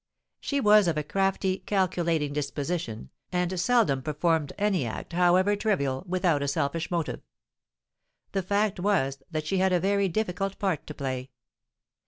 She was of a crafty—calculating disposition, and seldom performed any act, however trivial, without a selfish motive. The fact was that she had a very difficult part to play.